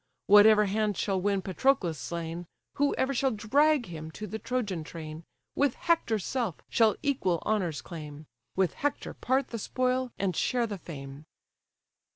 Whatever hand shall win Patroclus slain, Whoe'er shall drag him to the Trojan train, With Hector's self shall equal honours claim; With Hector part the spoil, and share the fame."